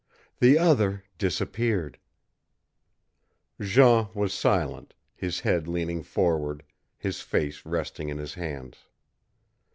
The other disappeared." Jean was silent, his head leaning forward, his face resting in his hands.